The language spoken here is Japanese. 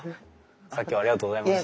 さっきはありがとうございました。